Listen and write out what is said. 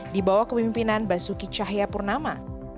di bawah kemimpinan basuki cahaya purnama